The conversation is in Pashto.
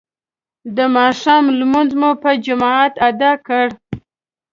د ماښام لمونځ مو په جماعت ادا کړ.